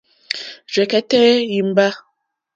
Rzɛ̀kɛ́tɛ́ ìmbâ.